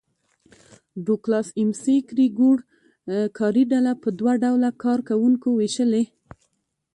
ډوګلاس اېم سي ګرېګور کاري ډله په دوه ډوله کار کوونکو وېشلې.